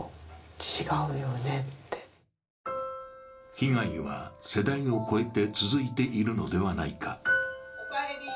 被害は世代を越えて続いているのではないか。